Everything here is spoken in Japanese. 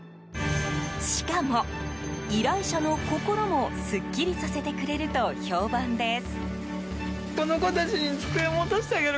しかも、依頼者の心もすっきりさせてくれると評判です。